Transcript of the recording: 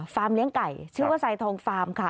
เลี้ยงไก่ชื่อว่าไซทองฟาร์มค่ะ